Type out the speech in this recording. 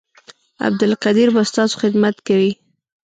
عبدالقدیر به ستاسو خدمت کوي